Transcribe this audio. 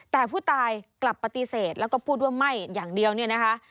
แต่ผู้ตายกลับปฏิเสธแล้วก็พูดว่าไหม้อย่างเดียวเนี่ยนะคะ